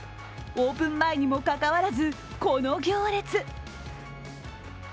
オープン前にもかかわらず、この行列。